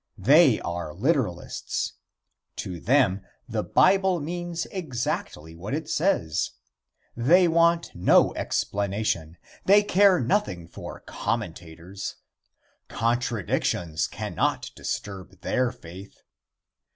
They are literalists. To them the Bible means exactly what it says. They want no explanation. They care nothing for commentators. Contradictions cannot disturb their faith.